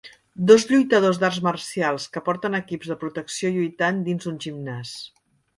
Dos lluitadors d'arts marcials que porten equips de protecció lluitant dins d'un gimnàs.